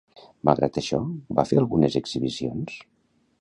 Malgrat això, va fer algunes exhibicions?